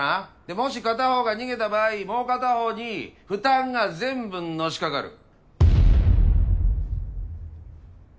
でもし片方が逃げた場合もう片方に負担が全部のしかかる。